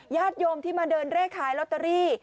ญาติโยมที่มาเดินเลขขายลอตเตอรี่